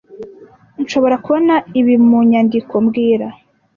Nshobora kubona ibi mu nyandiko mbwira